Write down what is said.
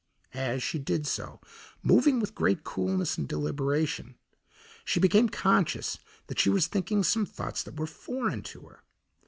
As she did so, moving with great coolness and deliberation, she became conscious that she was thinking some thoughts that were foreign to her.